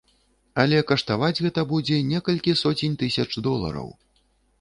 Але каштаваць гэта будзе некалькі соцень тысяч долараў.